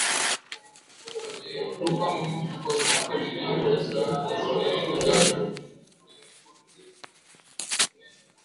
aliyeepuka mauti kwa kuogelea kwa saa ishirini na tatu kuelekea pwani ya yemen